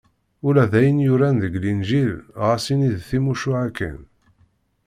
Ula d ayen yuran deg Linǧil, ɣas ini d timucuha kan.